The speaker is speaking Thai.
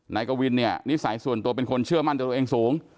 นายกวินเนี่ยนิสัยส่วนตัวเป็นคนเชื่อมั่นตัวตัวเองสูง